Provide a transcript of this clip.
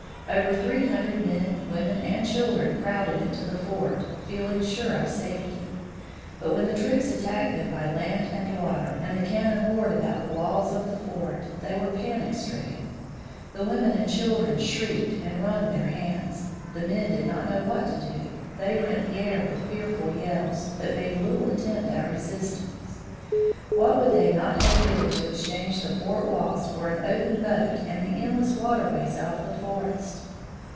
Over three hundred men, women, and children crowded into the fort, feeling sure of safety. But when the troops attacked them by land and water, and the cannon roared about the walls of the fort, they were panic stricken. The women and children shrieked and wrung their hands. The men did not know what to do; they rent the air with fearful yells, but made little attempt at resistance. What would they not have given to exchange the fort walls for an open boat and the endless waterways of the forest?